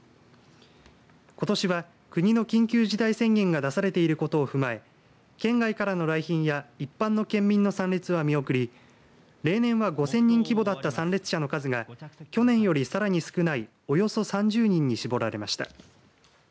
ことしは国の緊急事態宣言が出されていることを踏まえ県外からの来賓や一般の県民の参列は見送り例年は５０００人規模だった参列者の数が去年よりさらに少ないおよそ３０人に絞られました。